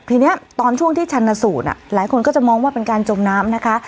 ทีนี้ตอนช่วงที่ชันสูตรหลายคนก็จะมองว่าเป็นการจมน้ำนะคะ